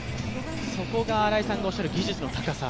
そこが新井さんがおっしゃる技術の高さ。